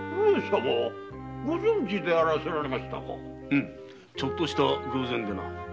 うむちょっとした偶然でな。